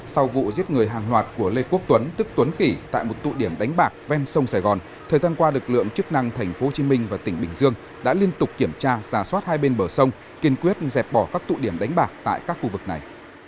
sau vụ giết người hàng loạt của lê quốc tuấn tức tuấn khỉ tại một tụ điểm đánh bạc ven sông sài gòn thời gian qua lực lượng chức năng tp hcm và tỉnh bình dương đã liên tục kiểm tra giả soát hai bên bờ sông kiên quyết dẹp bỏ các tụ điểm đánh bạc tại các khu vực này